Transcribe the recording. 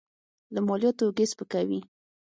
له مالیاتو اوږې سپکوي.